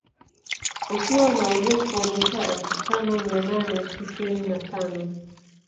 Ukiwa na urefu wa mita Elfu tano mia nane tisini na tano